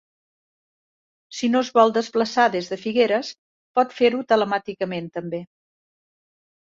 Si no es vol desplaçar des de Figueres, pot fer-ho telemàticament també.